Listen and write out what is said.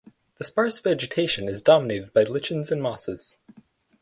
The sparse vegetation is dominated by lichens and mosses.